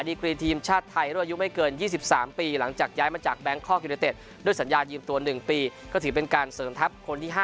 ดีกรีทีมชาติไทยรุ่นอายุไม่เกิน๒๓ปีหลังจากย้ายมาจากแบงคอกยูเนเต็ดด้วยสัญญายืมตัว๑ปีก็ถือเป็นการเสริมทัพคนที่๕